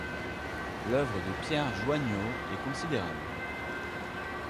L’œuvre de Pierre Joigneaux est considérable.